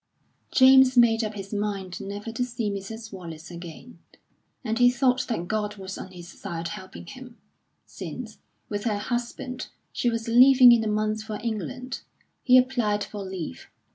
James made up his mind never to see Mrs. Wallace again; and he thought that God was on his side helping him, since, with her husband, she was leaving in a month for England. He applied for leave.